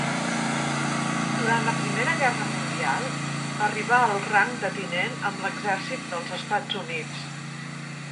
Durant la Primera Guerra Mundial arribà al rang de tinent amb l'exèrcit dels Estats Units.